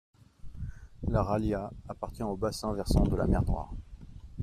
La Ralja appartient au bassin versant de la mer Noire.